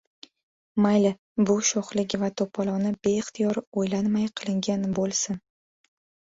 mayli bu sho‘xligi va to‘poloni beixtiyor, o‘ylanmay qilingan bo‘lsin